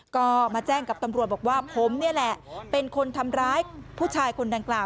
ก็มาแจ้งกับตำรวจบอกว่าผมนี่แหละเป็นคนทำร้ายผู้ชายคนดังกล่าว